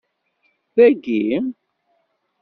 Dayi?